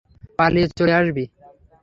পালিয়ে চলে আসবি!